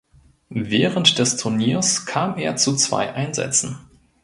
Während des Turniers kam er zu zwei Einsätzen.